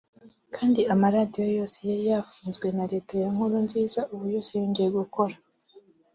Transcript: kandi amaradiyo yose yari yafunzwe na Leta ya Nkurunziza ubu yose yongeye gukora